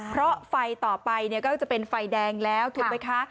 เพราะไฟต่อไปก็จะเป็นไฟแดงแล้วถูกไหมคะ